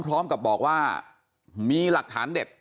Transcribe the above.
พร้อมกับบอกว่ามีหลักฐานเด็ด